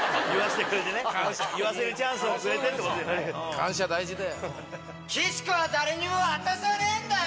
感謝大事だよ。